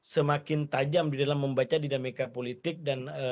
semakin tajam di dalam membaca dinamika politik dan